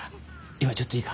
今ちょっといいか？